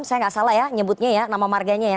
saya nggak salah ya nyebutnya ya nama marganya ya